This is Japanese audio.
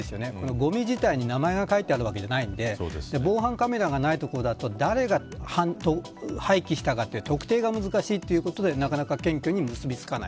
ごみ自体に名前が書いてあるわけじゃないので防犯カメラがない所だと誰が廃棄したか特定が難しいということでなかなか検挙に結びつかない。